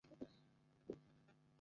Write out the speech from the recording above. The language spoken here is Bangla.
আমি তো তোমাকে আগের মতই দেখছি।